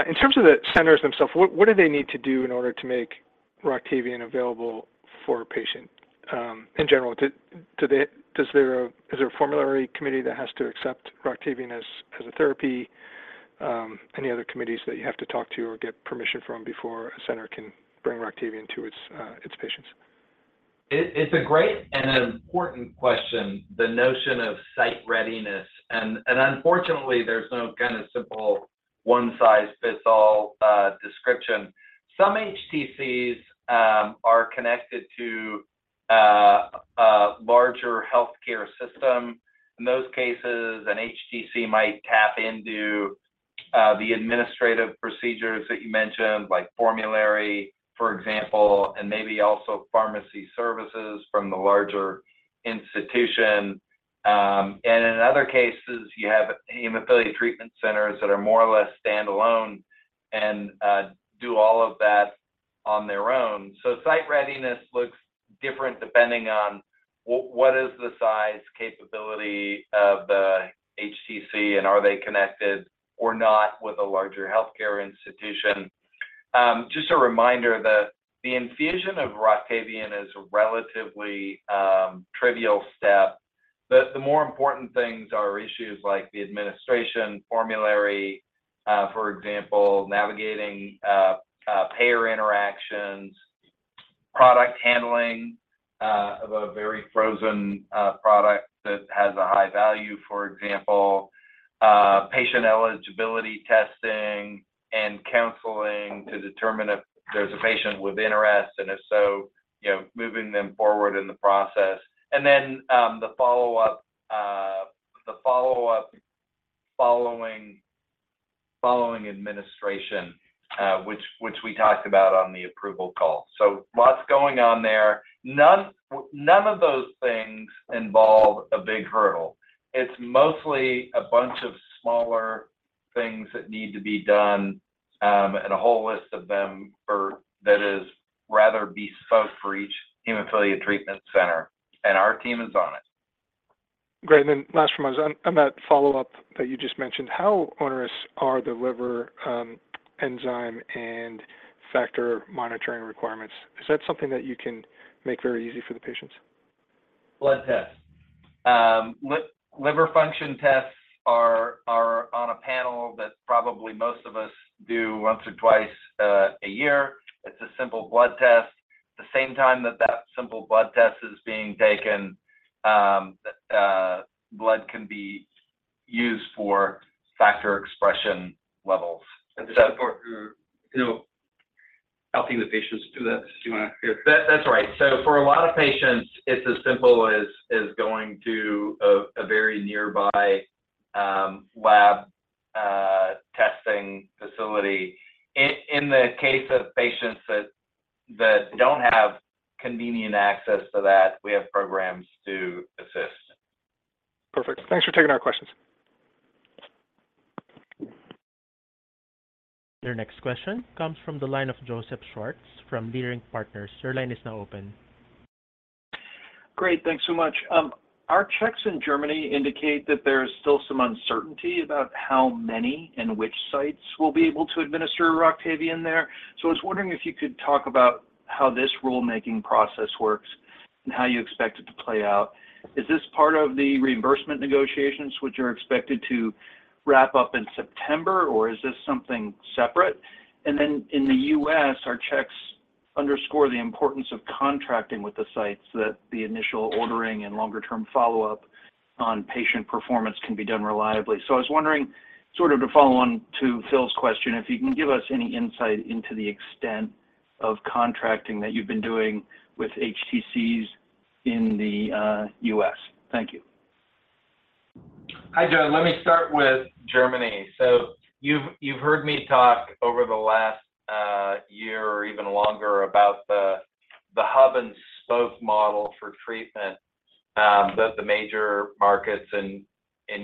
in terms of the centers themselves, what, what do they need to do in order to make Roctavian available for a patient, in general? Is there a formulary committee that has to accept Roctavian as, as a therapy? Any other committees that you have to talk to or get permission from before a center can bring Roctavian to its patients? It, it's a great and an important question, the notion of site readiness, and, and unfortunately, there's no kind of simple one-size-fits-all description. Some HTCs are connected to a larger healthcare system. In those cases, an HTC might tap into the administrative procedures that you mentioned, like formulary, for example, and maybe also pharmacy services from the larger institution. In other cases, you have Hemophilia Treatment Centers that are more or less standalone and do all of that on their own. Site readiness looks different depending on what, what is the size capability of the HTC, and are they connected or not with a larger healthcare institution? Just a reminder that the infusion of Roctavian is a relatively trivial step. The, the more important things are issues like the administration formulary, for example, navigating, payer interactions, product handling, of a very frozen, product that has a high value, for example. Patient eligibility testing and counseling to determine if there's a patient with interest, and if so, you know, moving them forward in the process. Then, the follow-up, the follow-up following, following administration, which, which we talked about on the approval call. Lots going on there. None, none of those things involve a big hurdle. It's mostly a bunch of smaller things that need to be done, and a whole list of them for that is rather bespoke for each Hemophilia Treatment Center, and our team is on it. Great. Last from us, on, on that follow-up that you just mentioned, how onerous are the liver enzyme and factor monitoring requirements? Is that something that you can make very easy for the patients? Blood tests. Liver function tests are on a panel that probably most of us do once or twice, a year. It's a simple blood test. At the same time that that simple blood test is being taken, the blood can be used for factor expression levels. Is that for, you know, helping the patients do that? That, that's right. For a lot of patients, it's as simple as, as going to a, a very nearby lab testing facility. In, in the case of patients that, that don't have convenient access to that, we have programs to assist. Perfect. Thanks for taking our questions. Your next question comes from the line of Joseph Schwartz from Leerink Partners. Your line is now open. Great, thanks so much. Our checks in Germany indicate that there is still some uncertainty about how many and which sites will be able to administer Roctavian there. I was wondering if you could talk about how this rulemaking process works and how you expect it to play out. Is this part of the reimbursement negotiations, which are expected to wrap up in September, or is this something separate? In the U.S., our checks underscore the importance of contracting with the sites that the initial ordering and longer-term follow-up on patient performance can be done reliably. I was wondering, sort of to follow on to Phil's question, if you can give us any insight into the extent of contracting that you've been doing with HTCs in the U.S. Thank you. Hi, Joe. Let me start with Germany. You've, you've heard me talk over the last year or even longer about the hub-and-spoke model for treatment that the major markets in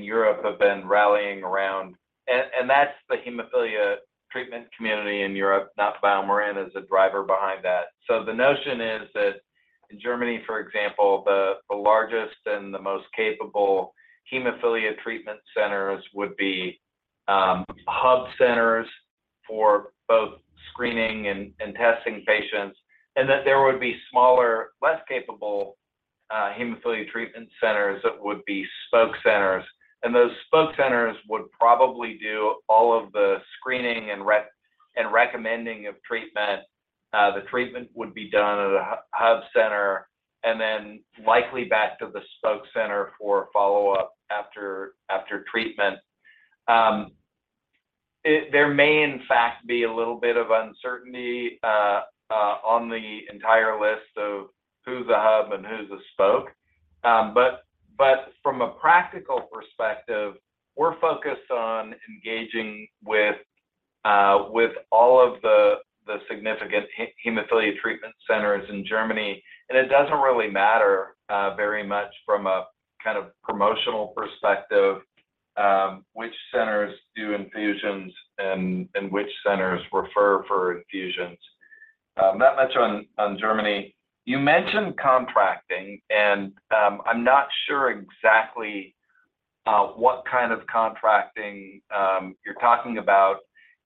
Europe have been rallying around. That's the hemophilia treatment community in Europe, not BioMarin, as the driver behind that. The notion is that In Germany, for example, the largest and the most capable Hemophilia Treatment Centers would be hub centers for both screening and testing patients, and that there would be smaller, less capable Hemophilia Treatment Centers that would be spoke centers. Those spoke centers would probably do all of the screening and recommending of treatment. The treatment would be done at a hub center, and then likely back to the spoke center for follow-up after, after treatment. There may, in fact, be a little bit of uncertainty on the entire list of who's a hub and who's a spoke. From a practical perspective, we're focused on engaging with all of the, the significant Hemophilia Treatment Centers in Germany. It doesn't really matter very much from a kind of promotional perspective, which centers do infusions and, and which centers refer for infusions. Not much on, on Germany. You mentioned contracting, I'm not sure exactly what kind of contracting you're talking about.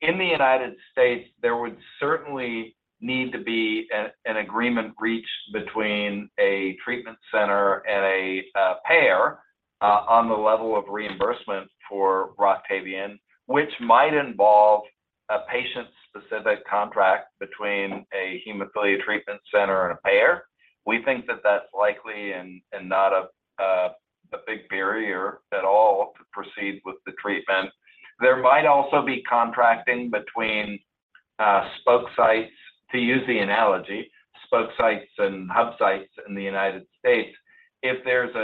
In the United States, there would certainly need to be an agreement reached between a treatment center and a payer on the level of reimbursement for Roctavian, which might involve a patient-specific contract between a Hemophilia Treatment Center and a payer. We think that that's likely and not a big barrier at all to proceed with the treatment. There might also be contracting between spoke sites, to use the analogy, spoke sites and hub sites in the United States if there's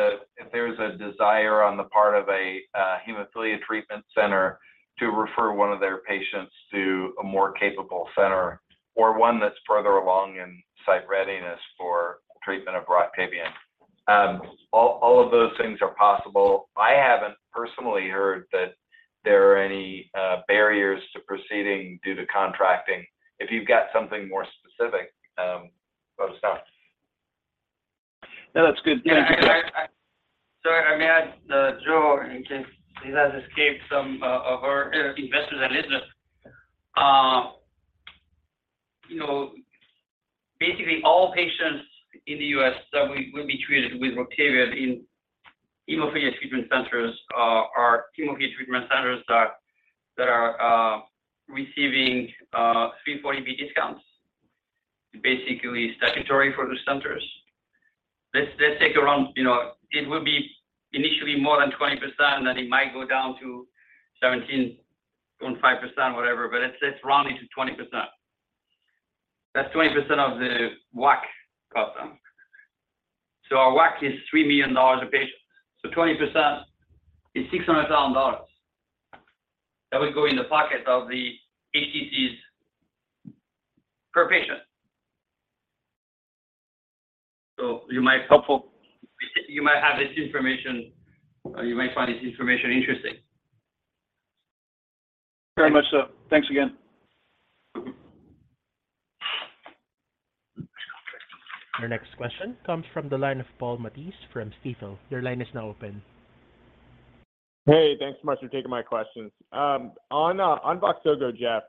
a desire on the part of a Hemophilia Treatment Center to refer one of their patients to a more capable center or one that's further along in site readiness for treatment of Roctavian. All of those things are possible. I haven't personally heard that there are any barriers to proceeding due to contracting. If you've got something more specific, let us know. No, that's good. Yeah, I, I. Sorry, I may add, Joe, in case it has escaped some of our investors that listen, you know, basically all patients in the U.S. that will be treated with Roctavian in Hemophilia Treatment Centers are Hemophilia Treatment Centers that are receiving 340B discounts, basically statutory for the centers. Let's take around, you know, it will be initially more than 20%, and it might go down to 17.5%, whatever, but it's rounding to 20%. That's 20% of the WAC cost. Our WAC is $3 million a patient. 20% is $600,000 that would go in the pocket of the HTCs per patient. You might have this information, or you might find this information interesting. Very much so. Thanks again. Our next question comes from the line of Paul Matteis from Stifel. Your line is now open. Hey, thanks so much for taking my questions. On VOXZOGO, Jeff,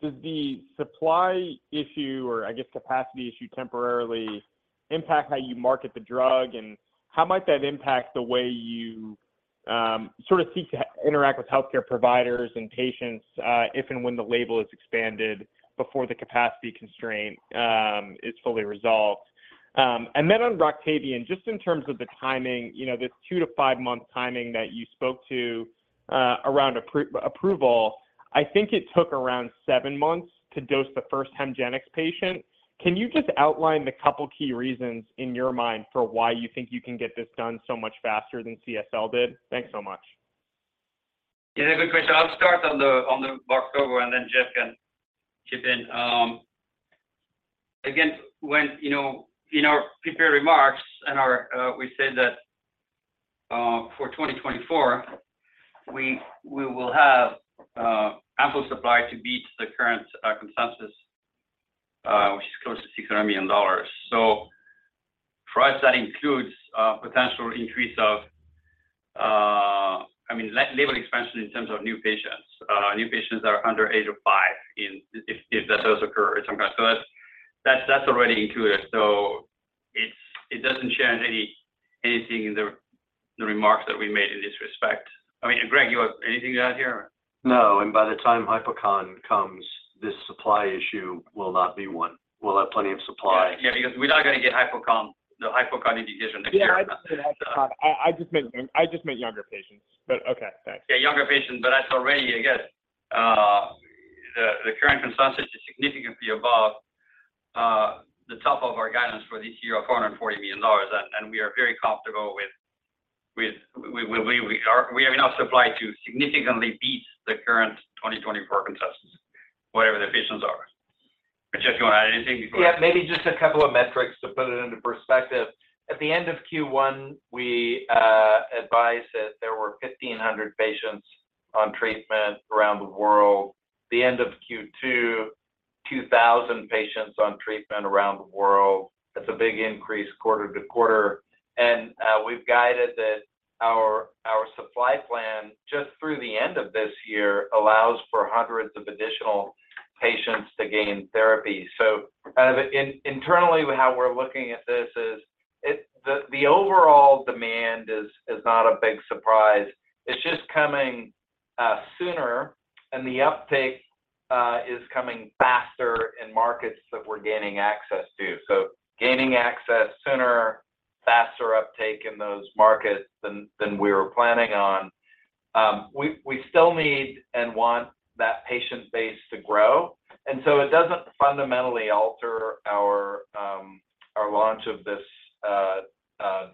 does the supply issue, or I guess capacity issue, temporarily impact how you market the drug? How might that impact the way you sort of seek to interact with healthcare providers and patients, if and when the label is expanded before the capacity constraint is fully resolved? Then on Roctavian, just in terms of the timing, you know, this two-five month timing that you spoke to, around approval, I think it took around seven months to dose the first Hemgenix patient. Can you just outline the couple key reasons in your mind for why you think you can get this done so much faster than CSL did? Thanks so much. Yeah, good question. I'll start on the, on the VOXZOGO, and then Jeff can chip in. again, when, you know, in our prepared remarks and our, we said that, for 2024, we, we will have, ample supply to beat the current, consensus, which is close to $600 million. For us, that includes, potential increase of I mean, la- label expansion in terms of new patients, new patients that are under age of 5 in- if, if that does occur at some point. That's, that's, that's already included. It's, it doesn't change any- anything in the, the remarks that we made in this respect. I mean, and Greg, you have anything to add here? No, by the time hypochondroplasia comes, this supply issue will not be one. We'll have plenty of supply. Yeah, because we're not gonna get hypochondroplasia, the hypochondroplasia indication next year. Yeah, I didn't say hypochondroplasia. I just meant younger patients, but okay, thanks. Yeah, younger patients, but that's already, again, the current consensus is significantly above the top of our guidance for this year of $440 million, and we are very comfortable. We have enough supply to significantly beat the current 2024 consensus, whatever the patients are. Jeff, you want to add anything before- Yeah, maybe just a couple of metrics to put it into perspective. At the end of Q1, we advised that there were 1,500 patients on treatment around the world. At the end of Q2, 2,000 patients on treatment around the world. That's a big increase quarter to quarter, and we've guided that our, our supply plan, just through the end of this year, allows for hundreds of additional patients to gain therapy. Kind of internally, how we're looking at this is, the overall demand is not a big surprise. It's just coming sooner, and the uptake is coming faster in markets that we're gaining access to. Gaining access sooner, faster uptake in those markets than, than we were planning on. We, we still need and want that patient base to grow, so it doesn't fundamentally alter our launch of this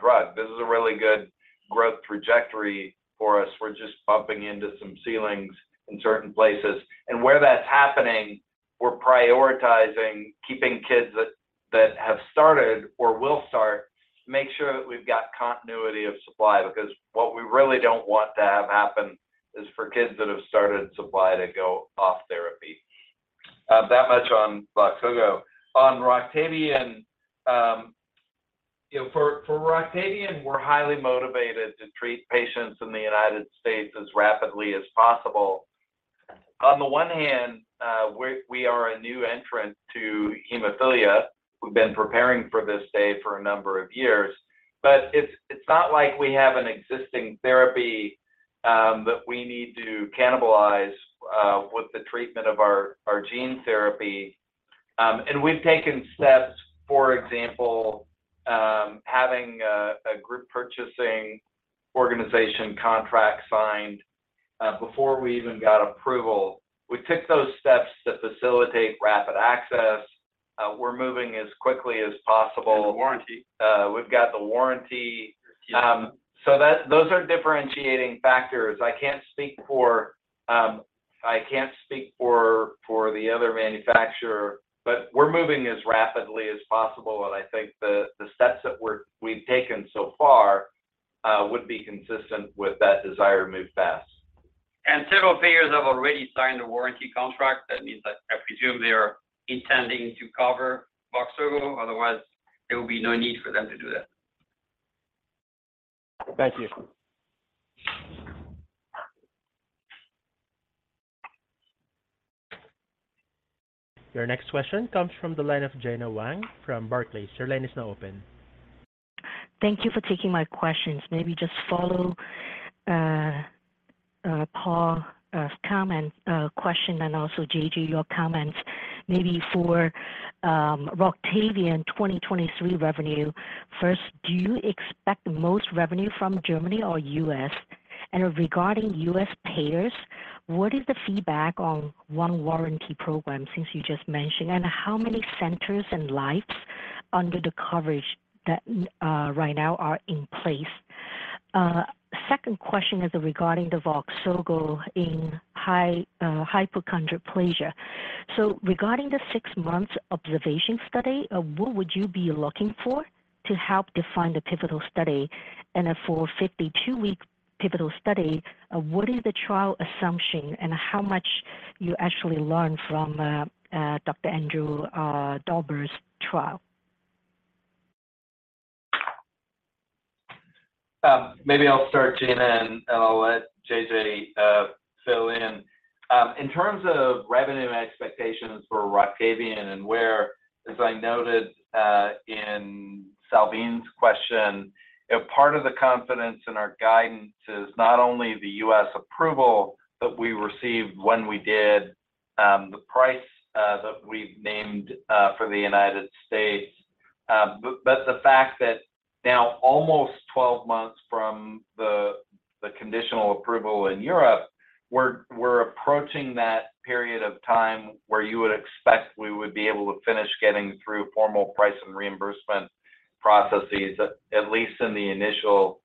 drug. This is a really good growth trajectory for us. We're just bumping into some ceilings in certain places. Where that's happening, we're prioritizing keeping kids that, that have started or will start, to make sure that we've got continuity of supply, because what we really don't want to have happen is for kids that have started supply to go off therapy. That much on VOXZOGO. On Roctavian, you know, for, for Roctavian, we're highly motivated to treat patients in the United States as rapidly as possible. On the one hand, we, we are a new entrant to hemophilia. We've been preparing for this day for a number of years, but it's not like we have an existing therapy that we need to cannibalize with the treatment of our gene therapy. We've taken steps, for example, having a group purchasing organization contract signed before we even got approval. We took those steps to facilitate rapid access. We're moving as quickly as possible. The warranty. We've got the warranty. Those are differentiating factors. I can't speak for, I can't speak for, for the other manufacturer, but we're moving as rapidly as possible, and I think the, the steps that we've taken so far, would be consistent with that desire to move fast. Several payers have already signed a warranty contract. That means that I presume they are intending to cover VOXZOGO, otherwise there would be no need for them to do that. Thank you. Your next question comes from the line of Gena Wang from Barclays. Your line is now open. Thank you for taking my questions. Maybe just follow Paul, comment, question, and also JJ, your comments. Maybe for Roctavian 2023 revenue. First, do you expect most revenue from Germany or U.S.? Regarding U.S. payers, what is the feedback on 1 warranty program since you just mentioned, and how many centers and lives under the coverage that right now are in place? Second question is regarding the VOXZOGO in high hypochondroplasia. Regarding the six months observation study, what would you be looking for to help define the pivotal study? For 52-week pivotal study, what is the trial assumption, and how much you actually learn from Dr. Andrew Dauber's trial? Maybe I'll start, Gena, and I'll let JJ fill in. In terms of revenue expectations for Roctavian and where, as I noted, in Salveen's question, you know, part of the confidence in our guidance is not only the U.S. approval that we received when we did, the price that we've named for the United States, but the fact that now, almost 12 months from the conditional approval in Europe, we're approaching that period of time where you would expect we would be able to finish getting through formal price and reimbursement processes, at least in the initial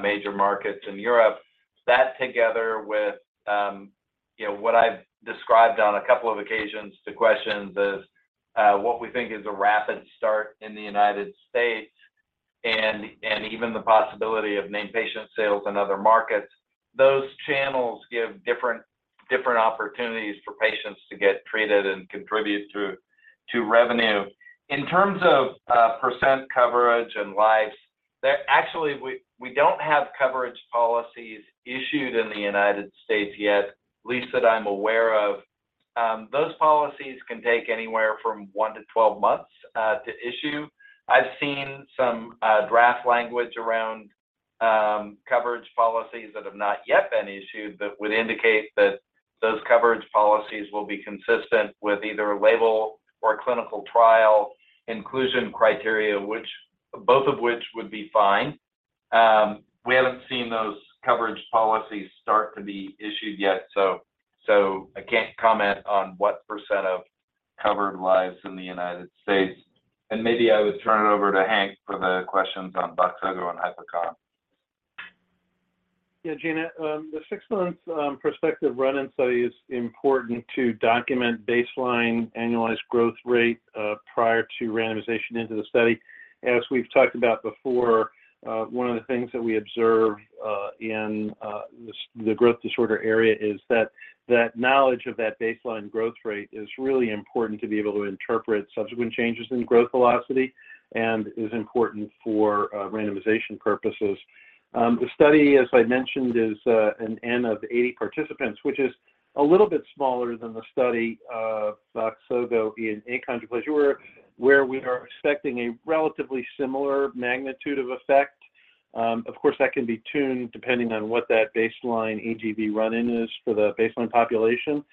major markets in Europe. That, together with, you know, what I've described on a couple of occasions to questions, is what we think is a rapid start in the United States and, and even the possibility of named patient sales in other markets. Those channels give different, different opportunities for patients to get treated and contribute to, to revenue. In terms of percent coverage and lives, Actually, we, we don't have coverage policies issued in the United States yet, at least that I'm aware of. Those policies can take anywhere from one to 12 months to issue. I've seen some draft language around coverage policies that have not yet been issued, but would indicate that those coverage policies will be consistent with either a label or clinical trial inclusion criteria, which, both of which would be fine. We haven't seen those coverage policies start to be issued yet, so, so I can't comment on what % of covered lives in the United States. Maybe I would turn it over to Hank for the questions on VOXZOGO and hypochondroplasia. Yeah, Gena, the six-month prospective run-in study is important to document baseline annualized growth rate prior to randomization into the study. As we've talked about before, one of the things that we observe in the growth disorder area is that that knowledge of that baseline growth rate is really important to be able to interpret subsequent changes in growth velocity and is important for randomization purposes. The study, as I mentioned, is an N of 80 participants, which is a little bit smaller than the study of VOXZOGO in achondroplasia, where we are expecting a relatively similar magnitude of effect. Of course, that can be tuned depending on what that baseline AGV run-in is for the baseline population.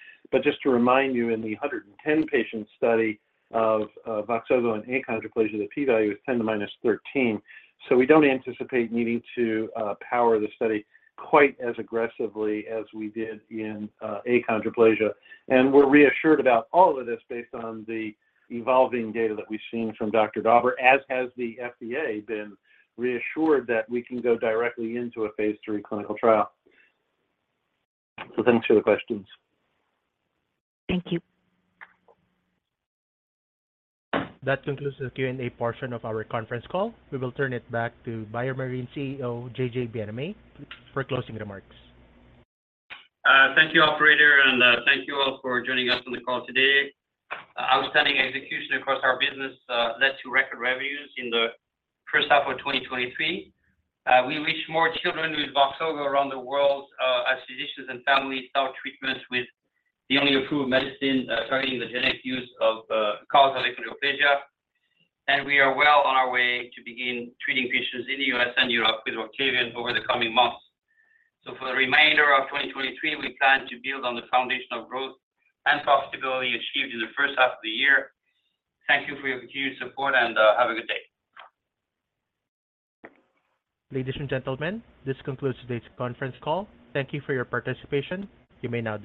Just to remind you, in the 110 patient study of VOXZOGO and achondroplasia, the p-value is 10 to minus 13, so we don't anticipate needing to power the study quite as aggressively as we did in achondroplasia. We're reassured about all of this based on the evolving data that we've seen from Andrew Dauber, as has the FDA been reassured that we can go directly into a Phase III clinical trial. Thanks for the questions. Thank you. That concludes the Q&A portion of our conference call. We will turn it back to BioMarin CEO, Jean-Jacques Bienaimé, for closing remarks. Thank you, operator, thank you all for joining us on the call today. Outstanding execution across our business led to record revenues in the first half of 2023. We reached more children with VOXZOGO around the world as physicians and families start treatments with the only approved medicine targeting the genetic use of causal achondroplasia. We are well on our way to begin treating patients in the U.S. and Europe with VOXZOGO over the coming months. For the remainder of 2023, we plan to build on the foundation of growth and profitability achieved in the first half of the year. Thank you for your continued support and have a good day. Ladies and gentlemen, this concludes today's conference call. Thank you for your participation. You may now disconnect.